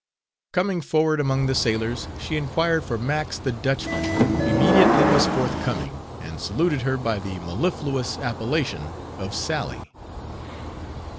Coming forward among the sailors, she inquired for Max the Dutchman, who immediately was forthcoming, and saluted her by the mellifluous appellation of _Sally.